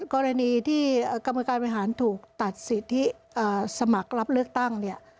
กรณีที่กรรมการบริหารถูกตัดสิทธิสมัครรับเลือกตั้งเนี่ย